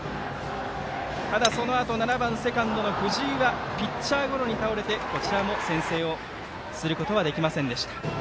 ただ、そのあと７番セカンドの藤井はピッチャーゴロに倒れてこちらも先制をすることはできませんでした。